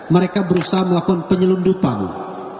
mereka berusaha melakukan penyelundupan